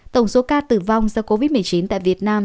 tổng số ca tử vong do covid một mươi chín tại việt nam